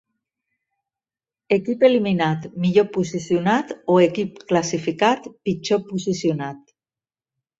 Equip eliminat millor posicionat o equip classificat pitjor posicionat.